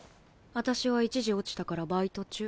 私は１次落ちたからバイト中。